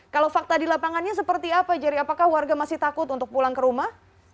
kalau fakta di lapangannya seperti apa jerry apakah warga masih takut untuk pulang ke rumah